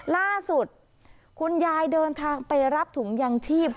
ล่าสุดคุณยายเดินทางไปรับถุงยางชีพ